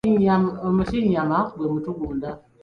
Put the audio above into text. Omutinnyama gwe mutugunda.